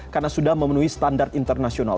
karena sudah memenuhi standar internasional